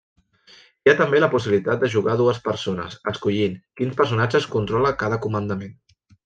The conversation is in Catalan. Hi ha també la possibilitat de jugar dues persones, escollint quins personatges controla cada comandament.